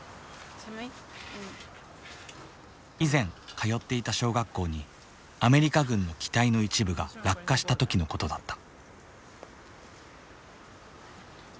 以前通っていた小学校にアメリカ軍の機体の一部が落下した時のことだった。